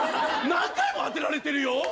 何回も当てられてるよ。